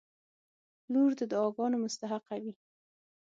• لور د دعاګانو مستحقه وي.